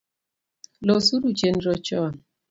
Losuru chenro chon